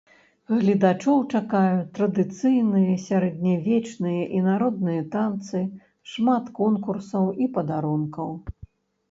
Гледачоў чакаюць традыцыйныя сярэднявечныя і народныя танцы, шмат конкурсаў і падарункаў!